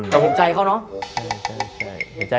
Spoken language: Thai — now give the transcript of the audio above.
เห็นใจเขาเนาะ